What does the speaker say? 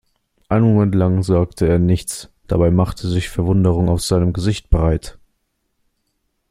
Einen Moment lang sagte er nichts, dabei machte sich Verwunderung auf seinem Gesicht breit.